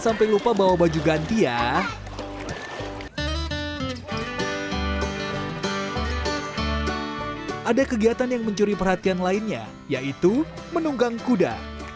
sampai lupa bawa baju ganti ya ada kegiatan yang mencuri perhatian lainnya yaitu menunggang kuda